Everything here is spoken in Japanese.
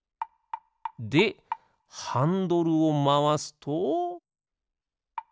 でハンドルをまわすと。